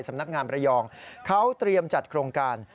สำนักงานประยองเขาเตรียมจัดโครงการ